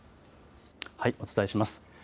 お伝えします。